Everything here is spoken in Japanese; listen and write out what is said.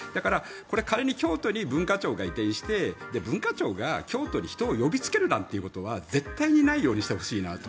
仮に京都に文化庁が移転して文化庁が京都に人を呼びつけるなんていうことは絶対にないようにしてほしいなと。